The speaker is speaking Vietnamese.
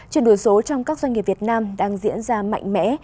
chuyển đổi số trong các doanh nghiệp việt nam đang diễn ra mạnh mẽ